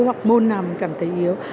hoặc môn nào mình cảm thấy yếu